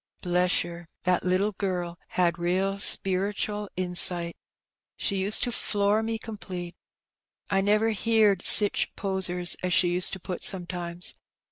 Bless yer, that 180 Heb Benny. little girl bad real speretuel insight; she used to floor me complete. I never heerd sich posers as she used to pat sometimes.